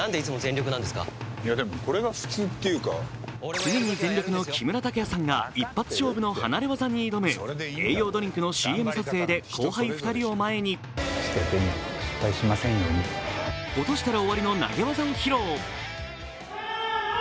常に全力の木村拓哉さんが一発勝負の離れ業に挑む栄養ドリンクのＣＭ撮影で後輩２人を前に、落としたら終わりの投げ技を披露。